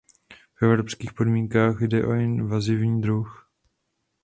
V evropských podmínkách jde o invazní druh.